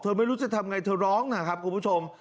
ไม่รู้จะทำไงเธอร้องนะครับคุณผู้ชม